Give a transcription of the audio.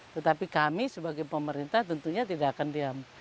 tetapi kami sebagai pemerintah tentunya tidak akan diam